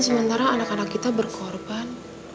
sementara anak anak kita berkorban